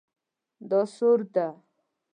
دا سور ده